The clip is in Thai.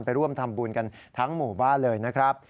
ไปร่วมทำบุญกันทั้งหมู่บ้านเลยนะครับ